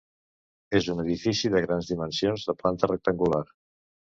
És un edifici de grans dimensions de planta rectangular.